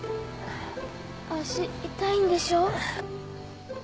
脚痛いんでしょう？